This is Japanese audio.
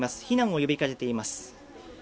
避難を呼びかけています。